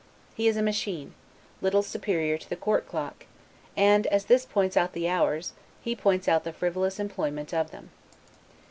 He is a machine, little superior to the court clock; and, as this points out the hours, he points out the frivolous employment of them.